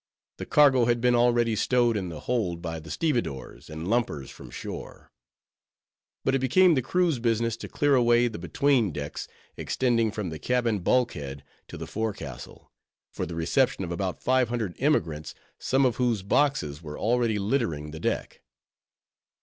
The cargo had been already stowed in the hold by the stevedores and lumpers from shore; but it became the crew's business to clear away the between decks, extending from the cabin bulkhead to the forecastle, for the reception of about five hundred emigrants, some of whose boxes were already littering the decks.